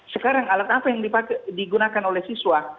sekarang alat apa yang digunakan oleh siswa